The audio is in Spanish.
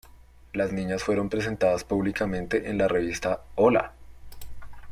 Las niñas fueron presentadas públicamente en la revista "¡Hola!